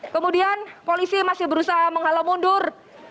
kemudian polisi masih berusaha menghalau mundur